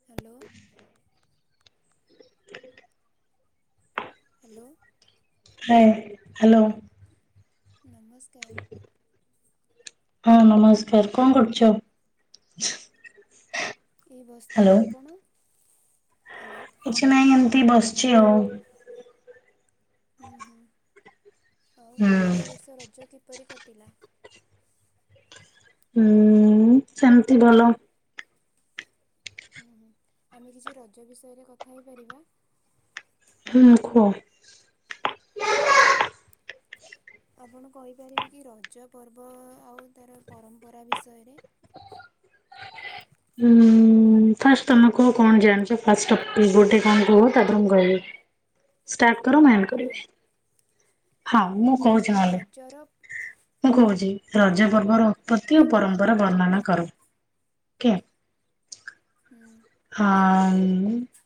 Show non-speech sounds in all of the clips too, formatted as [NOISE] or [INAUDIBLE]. Hello. Hello. ହୁଁ, hello. ନମସ୍କାର। ହଁ, ନମସ୍କାର କଣ କରୁଚ? ଏ ବସିଥିଲି ଆପଣ, ହ୍ୟାଲୋ। କିଛି ନାଇଁ, ଏମିତି ବସିଛି ଆଉ। ହୁଁ ହୁଁ ଆଉ ହୁଁ। ତମର ଏଇ ବର୍ଷ ରଜ କିପରି କଟିଲା। ହୁଁ ସେମିତି ଭଲ। ହୁଁ ହୁଁ। ଆମେ କିଛି ରଜ ବିଷୟରେ କଥା ହେଇପାରିବା। ହୁଁ କୁହ। ଆପଣ କହିପାରିବେ କି ରଜ ପର୍ବ ଆଉ ତାର ପରମ୍ପରା ବିଷୟରେ? ଉଁ-ଉଁ-ଉଁ ହୁଁ ଫାଷ୍ଟ ତମେ କୁହ କଣ ଜାଣିଛ ଫାଷ୍ଟ ଅଫ୍ ଗୋଟେ କଣ କୁହ ତାପରେ ମୁଁ କହିବି। ଷ୍ଟାର୍ଟ କର ମୁଁ ଆଡ୍ ହଁ କରିବି। ହଁ ମୁଁ କହୁଛି ନହେଲେ, ମୁଁ କହୁଛି ରଜ ପର୍ବର ଉତ୍ପତ୍ତି ଓ ପରମ୍ [INAUDIBLE] ବର୍ଣନା କର ଓକେ। ହୁଁ। ହଁଅଅ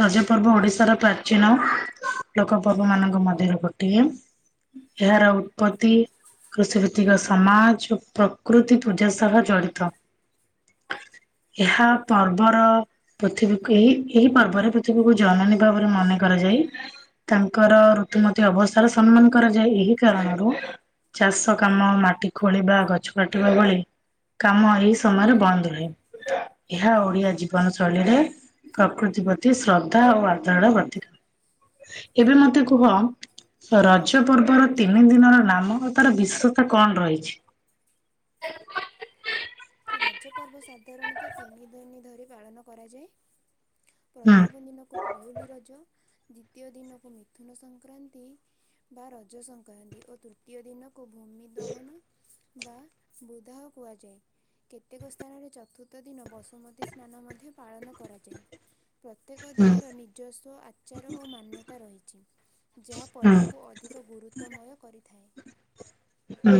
ରଜ ପର୍ବ ଓଡିଶାର ପ୍ରାଚୀନ ଲୋକ ପର୍ବ ମାନଙ୍କ ମଧ୍ୟରୁ ଗୋଟିଏ। ଏହାର ଉତ୍ପତ୍ତି କୃଷି ଭିତ୍ତିକ ସମାଜ ଓ ପ୍ରକୃତି ପୂଜା ସହ ଜଡିତ। ଏହା ପର୍ବର ପୃଥିବୀକୁ ଏହି, ଏହି ପର୍ବରେ ପୃଥିବୀକୁ ଜନନୀ ଭାବରେ ମନେ କରାଯାଇ ତାଙ୍କର ଋତୁମତୀ ଅବସ୍ଥାର ସମ୍ମାନ କରାଯାଏ ଏହି କାରଣରୁ ଚାଷ କାମ, ମାଟି ଖୋଳିବା, ଗଛ କାଟିବା ଭଳି କାମ ଏଇ ସମୟରେ ବନ୍ଦ ରୁହେ, ଏହା ଓଡିଆ ଜୀ ଜୀବନ ଶୈଳୀରେ ପ୍ରକୃତି ପ୍ରତି ଶ୍ରଦ୍ଧା ଓ ଆଦରରେ ଗଠିତ। ଏବେ ମତେ କୁହ ରଜ ପର୍ବର ତିନି ଦିନର ନାମ ତାର ବିଶେଷତ୍ୱ କଣ ରହିଛି? [INAUDIBLE] ରଜ ପର୍ବ ସାଧାରଣତଃ ତିନି ଦିନି ଧରି ପାଳନ କରାଯାଏ। ହୁଁ ପ୍ରଥମ ଦିନକୁ ପହିଲି ରଜ, ଦ୍ଵିତୀୟ ଦିନକୁ ମିଥୁନ ସଂକ୍ରାନ୍ତି ବା ରଜ ସଂକ୍ରାନ୍ତି ଓ ତୃତୀୟ ଦିନ କୁ ଭୂମି ଦହନ ବା ବୁଦାହ କୁହାଯାଏ। କେତେକ ସ୍ଥାନରେ ଚତୁର୍ଥ ଦିନ ବସୁମତୀ ସ୍ନାନ ମଧ୍ୟ ପାଳନ କରାଯାଏ। ପ୍ରତ୍ୟେକ ହୁଁ ଦିନର ନିଜସ୍ୱ ଆଚାର ଓ ମାନ୍ୟତା ରହିଛି। ଯାହା ହୁଁ ପର୍ବକୁ ଅଧିକ ଗୁରୁତ୍ୱମୟ କରିଥାଏ। ହୁଁ।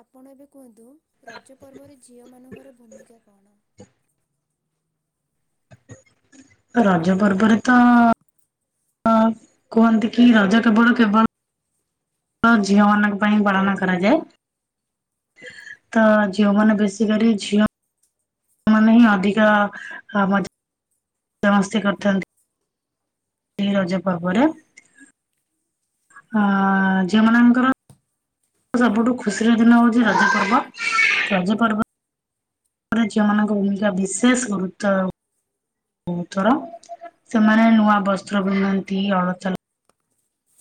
ଆପଣ ଏବେ କୁହନ୍ତୁ ରଜ ପର୍ବରେ ଝିଅମାନଙ୍କର ଭୂମିକା କଣ? ରଜ ପର୍ବରେ ତ କୁହନ୍ତି କି ରଜ କେବଳ କେବଳ ତ ଝିଅ ମାନଙ୍କ ପାଇଁ ପାଳନ କରାଯାଏ। ତ ଝିଅମାନେ ବେଶୀ କରି ଝିଅ ମାନେ ହିଁ ଅଧିକ ମଜ୍, ମଜା ମସ୍ତି କରିଥାନ୍ତି। ଏହି ରଜ ପର୍ବରେ। ହଁ ଝିଅମାନଙ୍କର ସବୁଠୁ ଖୁସିର ଦିନ ହଉଛି ରଜ ପର୍ବ ରଜ ପର୍ବ ରେ ଝିଅମାନଙ୍କ ଭୂମିକା ବିଶେଷ ଗୁରୁତ୍ୱ ର ସେମାନେ ନୂଆ ବସ୍ତ୍ର ପିନ୍ଧନ୍ତି ଅଳତା ଲ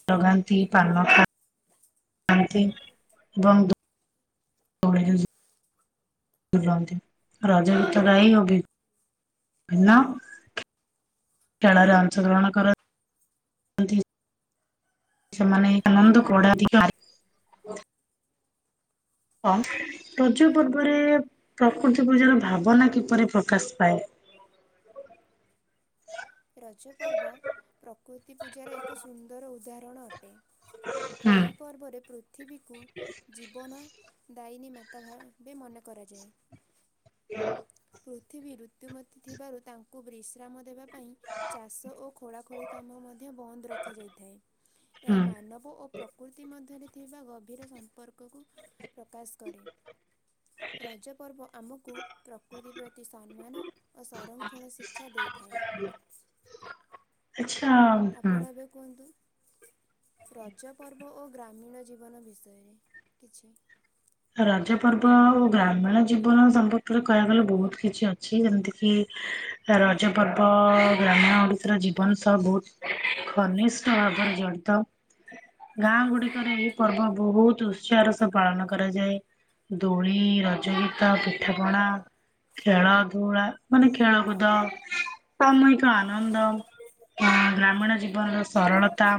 ଲଗାନ୍ତି ପାନ ଖା ଖାଆନ୍ତି ଏବଂ [UNINTELLIGIBLE] ରଜ ଗୀତ‌ ଗାଇବ କି‌ [UNINTELLIGIBLE] ଖେଳରେ ଅଂଶଗ୍ରହଣ କରନ୍ ସେମାନେ ଆନନ୍ଦ କଡାଧିକରେ। ଅଁ ରଜ ପର୍ବରେ ପ୍ରକୃତି ପୂଜାର ଭାବନା କିପରି ପ୍ରକାଶ ପାଏ? ରଜପର୍ବ ପ୍ରକୃତି ପୂଜାର ଏକ ସୁନ୍ଦର ଉଦାହରଣ ଅଟେ। ହୁଁ ଏହି ପର୍ବରେ ପୃଥିବୀକୁ ଜୀବନ ଦାଇନୀ ମାତା ଭାବେ ମନେ କରାଯାଏ। [UNINTELLIGIBLE] ପୃଥିବୀ ଋତୁମତୀ ଥିବାରୁ ତାଙ୍କୁ ବିଶ୍ରାମ ଦେବା ପାଇଁ ଚାଷ ଓ ଖୋଳାଖୋଳି କାମ ମଧ୍ୟ ବନ୍ଦ ରଖାଯାଇଥାଏ। ଏହା ହୁଁ ମାନବ ଓ ପ୍ରକୃତି ମଧ୍ୟରେ ଥିବା ଗଭୀର ସମ୍ପର୍କକୁ ପ୍ରକାଶ କରେ। ରଜ ପର୍ବ ଆମକୁ ପ୍ର କୃତି ପ୍ରତି ସମ୍ମାନ ଓ ସଂରକ୍ଷଣ ଶିକ୍ଷା ଦେଇଥାଏ। ହଁ ଆପଣ ହୁଁ। ଏବେ କୁହନ୍ତୁ ରଜ ପର୍ବ ଓ ଗ୍ରାମୀଣ ଜୀବନ ବିଷୟରେ କିଛି। ରଜ ପର୍ବ ଆଉ ଗ୍ରାମୀଣ ଜୀବନ ସମ୍ପର୍କରେ କହିବାକୁ ଗଲେ ବହୁତ କିଛି ଅଛି ଯେମିତି କିି ରଜ ପର୍ବ ଗ୍ରାମୀଣ ଓଡ଼ିଶାର ଜୀବନ ସହ ବହୁତ ଘନିଷ୍ଠ ଭାବରେ ଜଡ଼ିତ। ଗାଁ ଗୁଡିକରେ ଏହି ପର୍ବ ବହୁତ ଉତ୍ସାହ ର ସହ ପାଳନ କରାଯାଏ ଦୋଳି ରଜଗୀତ ପିଠାପଣା ଖେଳ ଧୂଳା ମାନେ ଖେଳକୁଦ ସାମାୟିକ ଆନନ୍ଦ। ଗ୍ରାମୀଣ ଜୀବନର ସରଳତା।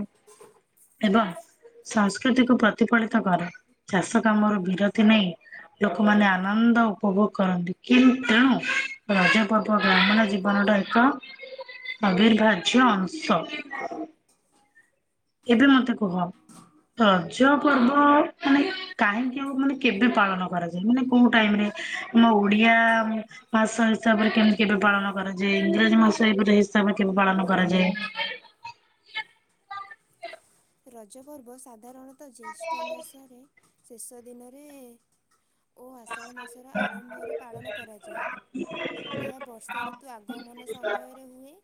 ଏବଂ ସଂସ୍କୃତି କୁ ପ୍ରତିଫଳିତ କରେ ଚାଷ କାମରୁ ବିରତି ନେଇ ଲୋକମାନେ ଆନନ୍ଦ ଉପଭୋଗ କରନ୍ତି। କିନ୍ତ ତେଣୁ ରଜ ପର୍ବ ଗ୍ରାମିଣ ଜୀବନଟା ଏକ ଅବିର୍ଭାଜ୍ୟ ଅଂଶ। ଏବେ ମତେ କୁହ। ରଜ ପର୍ବ ମାନେ କାହିଁକି ଆଉ ମାନେ କେବେ ପାଳନ କରାଯାଏ। ମାନେ କୋଉ ଟାଇମ୍ ରେ? ଆମ ଓଡିିଆ ଭାଷା ହିସାବରେ କେମିତି କେବେ ପାଳନ କରାଯାଏ। ଇଂରାଜୀ ମାସ ଏପ ହିସାବରେ କେବେ ପାଳନ କରାଯାଏ। ରଜ ପର୍ବ ସାଧାରଣତଃ ଜ୍ୟେଷ୍ଠ ମାସରେ ଶେଷ ଦିନରେ ଓ ଆଷାଢ ମାସର ଆରମ୍ଭରେ ପାଳନ କରାଯାଏ। ଏହା ବର୍ଷା ଋତୁ ଆଗମନ ସମୟରେ ହୁଏ।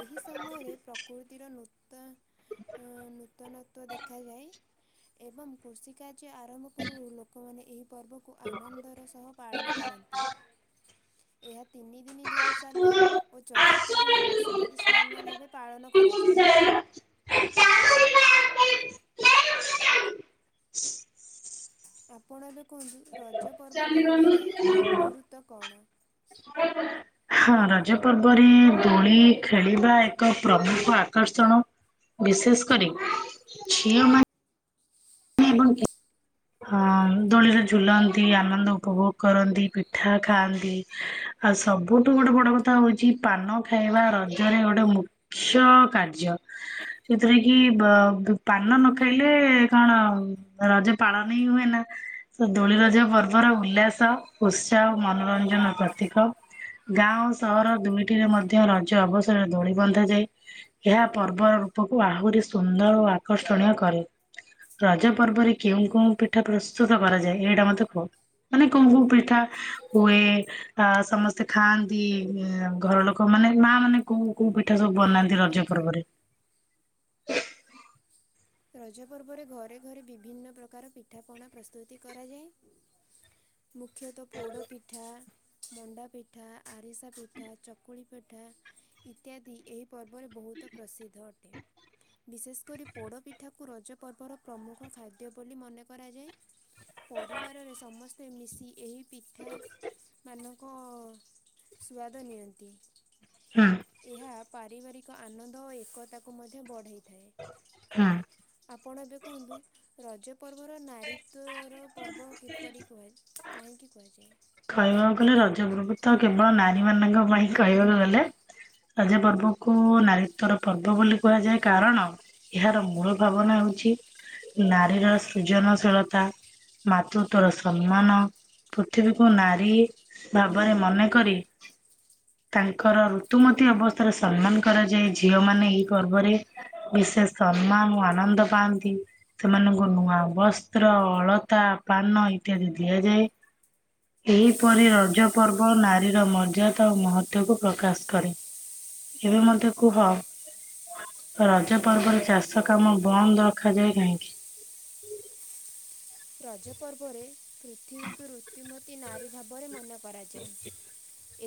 ଏହି ସମୟରେ ପ୍ରକୃତିର ନୃତ୍ୟ ନୂତନତଵ ଦେଖାଯାଏ ଏବଂ କୃଷି କାର୍ଯ୍ୟ ଆରମ୍ଭ ପୂର୍ବରୁ ଲ ଲୋକମାନେ ଏହି ପର୍ବକୁ ଆନନ୍ଦର ସହ ପାଳନ କରନ୍ତି। ଏହା ତିନି ଦିନ ଧରି ଚାଲେ। ଓ ଚତୁର୍ଥ ଦିନ ବସୁମତୀ ସ୍ନାନ ଭାବେ ପାଳନ କରାଯାଏ। ଆପଣ ଏବେ କୁହନ୍ତୁ ରଜ ପର୍ବ ଦୋଳିରେ ଗୁରୁତ୍ୱ କଣ? ହଁ ରଜ ପର୍ବରେ ଦୋଳି ଖେଳିବା ଏକ ପ୍ରମୁଖ ଆକର୍ଷଣ ବିଶେଷ କରି ଝିଅମାନେ [UNINTELLIGIBLE] ହଁ ଦୋଳିରେ ଝୁଲନ୍ତି। ଆନନ୍ଦ ଉପଭୋଗ କରନ୍ତି। ପିଠା ଖାଆନ୍ତି। ଆଉ ସବୁଠୁ ଗୋଟେ ବଡ କଥା ହଉଛି ପାନ ଖାଇବା ରଜରେ ଗୋଟେ ମୁ କ୍ଷ କାର୍ଯ୍ୟ। ସେଥିରେ କି ପାନ ନ ଖାଇଲେ କଣ ରାଜ ପାଳନ ହିଁ ହୁଏ ନା। ଦୋଳି ରଜ ପର୍ବର ଉଲ୍ଲାସ ଉତ୍ସାହ ମନୋରଞ୍ଜନ ପ୍ରତୀକ। ଗାଁ ସହର ଦୁଇଟିରେ ମଧ୍ୟ ରଜ ଅବସରରେ ଦୋଳି ବନ୍ଧାଯାଏ। ଏହା ପର୍ବର ରୂପକୁ ଆହୁରି ସୁନ୍ଦର ଓ ଆକର୍ଷଣୀୟ କରେ। ରଜ ପର୍ବରେ କେଉଁ କେଉଁ ପିଠା ପ୍ରସ୍ତୁତ କରାଯାଏ ଏଇଟା ମୋତେ କୁହ? ମାନେ କୋଉ କୋଉ ପିଠା ହୁଏ? ଅ ସମସ୍ତେ ଖାଆନ୍ତି ଉ ଘର ଲୋକ ମାନେ ମା ମାନେ କୋଉ କୋଉ ପି ପିଠା ସବୁ ବନାନ୍ତି ରଜ ଆଜ୍ଞା। ପର୍ବରେ? ରଜ ପର୍ବରେ ଘରେ ଘରେ ବିଭିନ୍ନ ପ୍ରକାର ପିଠାପଣା ପ୍ରସ୍ତୁତି କରାଯାଏ। ମୁଖ୍ୟତଃ ପୋଡ଼ ପିଠା ମଣ୍ଡା ପିଠା, ଆରିସା ପିଠା, ଚକୁଳି ପିଠା ଇତ୍ୟାଦି ଏହି ପର୍ବରେ ବହୁତ ପ୍ରସିଦ୍ଧ ଅଟେ। ବିଶେଷ କରି ପୋଡପିଠା ଏଠାକୁ ରଜ ପର୍ବର ପ୍ରମୁଖ ଖାଦ୍ୟ ବୋଲି ମନେ କରାଯାଏ। ପରିବାରରେ ସମସ୍ତେ ମିଶି ଏହି ପିଠା ମାନଙ୍କ ସୁଆଦ ନିଅନ୍ତି। ହୁଁ ଏହା ପାରିବାରିକ ଆନନ୍ଦ ଓ ଏକତାକୁ ମଧ୍ୟ ବଢ଼ାଇଥାଏ। ହୁଁ। ଆପଣ ଏବେ କୁହନ୍ତୁ, ରଜ ପର୍ବର ନାରୀ ତର ପର୍ବ କିପରି କୁହାଯାଏ? କାହିଁକି କୁହାଯାଏ? କହିବାକୁ ଗଲେ ରଜ ପର୍ବ ତ କେବଳ ନାରୀ ମାନଙ୍କ ପାଇଁ କହିବାକୁ ଗଲେ। ରଜ ପର୍ବକୁ ନାରୀତ୍ଵର ପର୍ବ ବୋଲି କୁହାଯାଏ କାରଣ ଏହାର ମୂଳ ଭାବନା ହୋଉଛି ନାରୀର ସୃଜନଶୀଳତା, ମାତୃତ୍ଵର ସମ୍ମାନ। ପୃଥିବୀ କୁ ନାରୀ ଭାବରେ ମନେକରି ତାଙ୍କର ଋତୁମତୀ ଅବସ୍ଥାରେ ସମ୍ମାନ କରାଯାଏ ଝିଅ ମାନେ ଏହିଇ ପର୍ବରେ। ବିଶେଷ ସମ୍ମାନ ଓ ଆନନ୍ଦ ପାଆନ୍ତି ସେମାନଙ୍କୁ ନୂଆ ବସ୍ତ୍ର, ଅଳତା, ପାନ ଇତ୍ୟାଦି ଦିଆଯାଏ। ଏହିପରି ରଜ ପର୍ବ ନାରୀର ମର୍ଯ୍ୟାଦା ତା ମହତ୍ଵକୁ ପ୍ରକାଶ କରେ। ଏବେ ମୋତେ କୁହ ରଜ ପର୍ବରେ ଚାଷ କାମ ବନ୍ଦ ରଖାଯାଏ କାହିଁକି? ରଜ ପର୍ବରେ, ପୃଥିବୀକୁ ରୁତ୍ତିମତୀ ନାରୀ ଭାବରେ ମନେ କରାଯାଏ।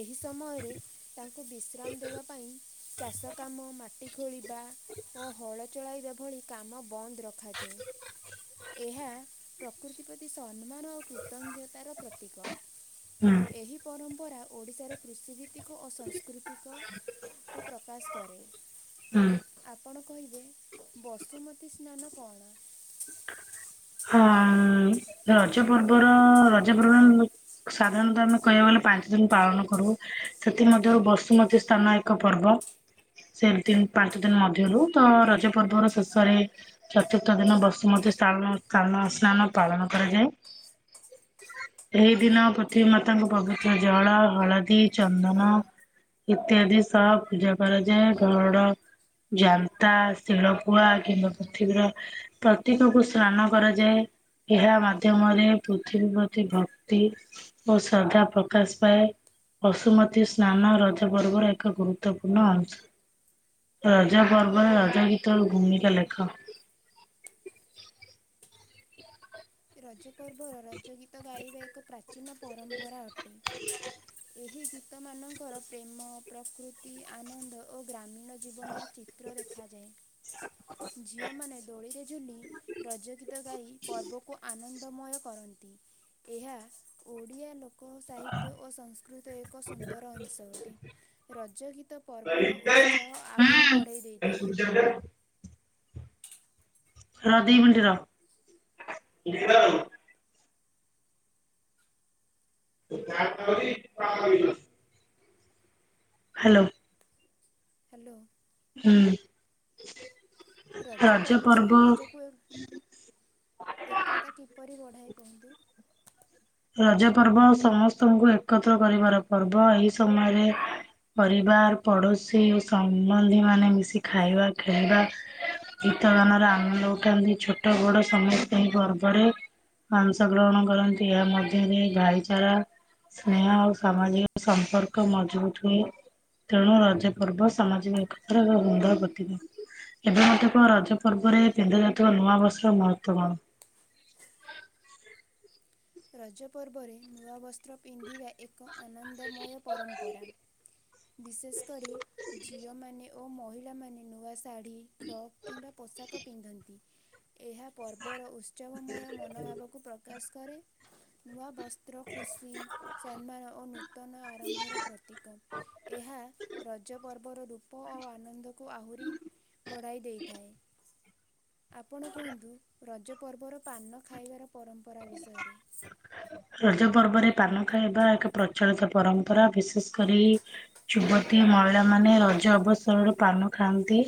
ଏହି ସମୟରେ, ତାଙ୍କୁ ବିଶ୍ରାମ ଦେବା ପାଇଁ ଚାଷ କାମ, ମାଟି ଖୋଳିବା ଓ ହଳ ଚଳାଇବା ଭଳି କାମ ବନ୍ଦ ରଖାଯାଏ। ଏହା ପ୍ରକୃତି ପ୍ରତି ସମ୍ମାନ ଓ କୃତଜ୍ଞତାର ପ୍ରତୀକ। ହୁଁ ଏହି ପରମ୍ପରା ଓଡ଼ିଶାର କୃଷିଭିତ୍ତିକୁ ଅ ସଂସ୍ ପ୍ରାକୃତିକ କୁ ପ୍ରକାଶ କରେ। ହୁଁ ଆ ଆପଣ କହିବେ ବସୁମତୀ ସ୍ନାନ କଣ? ହଁ ରଜ ପର୍ବର ରଜ ପର୍ବ ସାଧାରଣତଃ ଆମେ କହିବାକୁ ଗଲେ, ପାଞ୍ଚ ଦିନ୍ ପାଳନ କରୁ। ସେଥିମଧ୍ୟରୁ ବସୁମତୀ ସ୍ଥାନ ଏକ ପର୍ବ। ସେ ଦିନ୍ ପାଞ୍ଚ ଦିନ ମଧ୍ୟରୁ, ତ ରଜ ପର୍ବ ର ଶେଷରେ ଚତୁର୍ଥ ଦିନ ବସୁମତୀ ସ୍ଥାନ ସ୍ଥାନ ସ୍ନାନ ପାଳନ କରାଯାଏ। ଏହି ଦିନ ପୃଥିବୀ ମାତାଙ୍କ ପବିତ୍ର ଜଳ, ହଳଦୀ, ଚନ୍ଦନ ଇତ୍ୟାଦି ସ ପୂଜା କରାଯାଏ। ଘଡ ଜାନ୍ତା, ଶିଳକୁୁଆ କିମ୍ବା ପୃଥିବୀର ପ୍ରତୀକକୁ ସ୍ନାନ କରାଯାଏ। ଏହା ମାଧ୍ୟମରେ ପୃଥିବୀ ପ୍ରତି ଭକ୍ତି ଓ ଶ୍ରଦ୍ଧା ପ୍ରକାଶ ପାଏ। ବଶୁମତୀ ସ୍ନାନ, ରଜ ପର୍ବର ଏକ ଗୁରୁତ୍ୱପୂର୍ଣ୍ଣ ଅଂଶ। ରାଜା ପର୍ବ ରାଜା ଗୀତା ଘୂମଣିକା ଲେଖା ରଜ ପର୍ବର ରଜ ଗୀତ ଗାଇବା ଏକ ପ୍ରାଚୀନ ପରମ୍ପରା ଅଟେ ଏହି ଗୀତ ଲୋକ ମାନଙ୍କର ପ୍ରେମ ପ୍ରକୃତି ଆନନ୍ଦ ଓ ଗ୍ରାମୀ ଅନ୍ୟ ଜୀବନର ଚିତ୍ର ଦେଖାଯାଏ ଝିଅମାନେ ଦୋଳିରେ ଖେଳିଲେ ରଜ ଗୀତ ଗାଇ ପର୍ବକୁ ଆନନ୍ଦମୟ କରନ୍ତି ଏହା ଓଡ଼ିଆ ଲୋକ ଏକ ସାହିତ୍ୟ ଓ ସଂସ୍କୃତି ଏକ ସୁନ୍ଦର ଅଂଶ ଅଟେ। ରଜ ଗୀତ ପର୍ବର ଉତ୍ସାହ ଆହୁରି ବଢ଼େଇ ଦେଇଥାଏ। ରାଧେ ଭଣ୍ଡରା [UNINTELLIGIBLE] [UNINTELLIGIBLE] ହ୍ୟାଲୋ। ହ୍ୟାଲୋ। ହୁଁ। ରଜ ପର୍ବ ସମାଜକୁ ଏକତା କିପରି ବଢ଼ାଏ କୁହନ୍ତୁ? ରଜ ପର୍ବ ସମସ୍ତଙ୍କୁ ଏକତ୍ର କରିବାର ପର୍ବ ଏହିଇ ସମୟରେ ପରିବାର ପଡୋଶୀ ଓ ସମ୍ବନ୍ଧୀ ମାନେ ମିଶି ଖାଇବା ଖେଳବା ଗୀତ ଗାନରେ ଆମଳ ଉଠାନ୍ତି ଛୋଟ ବଡ ସମସ୍ତେ ଏହି ପର୍ବରେ ଅଂଶ ଗ୍ରହଣ କରନ୍ତି ଏହା ମଧ୍ୟରେ ଭାଇଚାରା ସ୍ନେହ ଓ ସାମାଜିକ ସମ୍ପର୍କ ମଜବୁତ ହୁଏ। ତେଣୁ ରଜ ପର୍ବ ସାମାଜିକ ଏକତ୍ର [UNINTELLIGIBLE] ଏବେ ମୋତେ କହ ରଜ ପର୍ବରେ ପିନ୍ଧା ଜାତକ ନୂଆ ବର୍ଷର [UNINTELLIGIBLE] ରଜ ପର୍ବରେ ନୂଆ ବସ୍ତ୍ର ପିନ୍ଧିବେ ଏକ ଆନନ୍ଦମୟ ପରମ୍ପରା ବିଶେଷ କରି ଝିଅମାନେ ଓ ମହିଳାମାନେ ନୂଆ ଶାଢ଼ୀ ଫ୍ରକ୍ କିମ୍ବା ପୋଷାକ ପିନ୍ଧନ୍ତି, ଏହା ପର୍ବର ଉତ୍ସବମୟ ମନୋଭାବକୁ ପ୍ରକାଶ କରେ। ନୂଆ ବସ୍ତ୍ର ଖୁସି ସମ୍ମାନ ଓ ନୂତନ ଆରମ୍ଭର ପ୍ରତୀକ। ଏହା ରଜ ପର୍ବର ରୂପ ଓ ଆନନ୍ଦକୁ ଆହୁରି ବଢ଼ାଇ ଦେଇଥାଏ। ଆପଣ କୁହନ୍ତୁ ରଜ ପର୍ବର ପାନ ଖାଇବାର ପରମ୍ପରା ବିଷୟରେ? ରଜ ପର୍ବରେ ପାନ ଖାଇବା ଏକ ପ୍ରଚଳିତ ପରମ୍ପରା ବିଶେଷ କରି ଯୁବତୀ ମହିଳା ମାନେ ରଜ ଅବସରରୁ ପାନ ଖାଆନ୍ତି।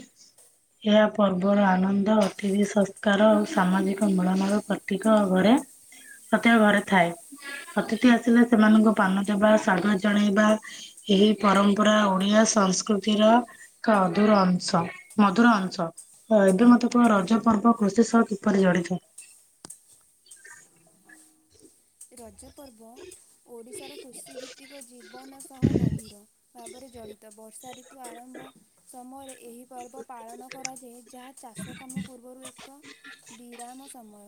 ଏହା ପର୍ବର ଆନନ୍ଦ ଅତିଥି ସଂସ୍କାର ଆଉ ସାମାଜିକ ମୂଳମଳ ପ୍ରତୀକ ଘରେ ପ୍ରତ୍ୟକ ଘରେ ଥାଏ। ଅତିଥି ଆସିଲେ ସେମାନଙ୍କୁ ପାନ ଦେବା ସ୍ୱାଗତ ଜଣେଇବା। ଏହି ପରମ୍ପରା ଓଡିଆ ସଂସ୍କୃତିର ଏକ ଅଧୁର ଅଂଶ ମଧୁର ଅଂଶ। ହଁ ଏବେ ମଧ୍ଯ କଣ ରଜ ପର୍ବ କୃଷି ସହ କିପରି ପଡିଥାଏ? ରଜପର୍ବ ଓଡ଼ିଶାର କୃଷିଭିତ୍ତିକ ଜୀବନ ସହ ଗଭୀର। ଭାବରେ ଜଡ଼ିତ, ବସ ର୍ଷା ରିତୁ ଆରମ୍ଭ ସମୟରେ ଏହି ପର୍ବ ପାଳନ କରାଯାଏ, ଯାହା ଚାଷ କାମ ପୂର୍ବରୁ ଏକ ବିରାମ ସମୟ,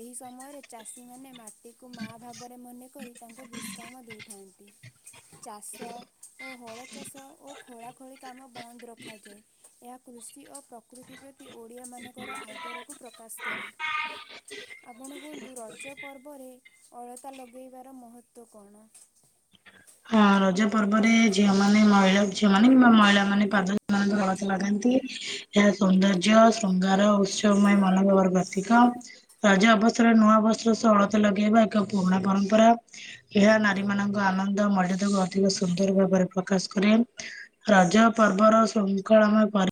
ଏହି ସମୟରେ ଚାଷୀ ମାନେ ମାଟି ମା ଭାବରେ ମନେକରି ତାଙ୍କୁ ବିଶ୍ରାମ ଦେଇଥାନ୍ତି। ଚାଷ ଓ ହଳ ଚାଷ ଓ ଖୋଳା ଖୋଳି କାମ ବନ୍ଦ ରଖାଯାଏ। ଏହା କୃଷି ଓ ପ୍ରକୃତି ପ୍ରତି ଓଡ଼ିଆମାନଙ୍କର ଆଦରକୁ ପ୍ରକାଶ କରେ। ଆପଣ କୁହନ୍ତୁ, ରଜ ପର୍ବରେ ଅଳତା ଲଗେଇବାର ମହତ୍ଵ କଣ? ହଁ ରଜ ପର୍ବରେ, ଝିଅ ମାନେ ମହିଳା ଝିଅ ମାନେ ବି ମ- ମହିଳା ମାନେ ପାଦରେ [INAUDIBLE] ମା ପାଦ ରେ ଅଳତା ଲଗାନ୍ତି, ଏହା ସୌନ୍ଦର୍ଯ୍ୟ ଶୃଙ୍ଗାର ଉତ୍ସବ ପାଇଁ ମନବଳ ର ପ୍ରତୀକ। ରଜ ଅବସର ରେ ନୂଆ ବସ୍ତ୍ର ସହ ଅଳତା ଲଗେଇବା ଏକ ପୁରୁଣା ପରମ୍ପରା। ଏହା ନାରୀ ମାନଙ୍କ ଆନନ୍ଦ ମର୍ଯ୍ୟାଦାକୁ ଅଧିକ ସୁନ୍ଦର ଭାବରେ ପ୍ରକାଶ କରେ। ରଜ ପର୍ବର ଶୃଙ୍ଖଳମୟ ପରି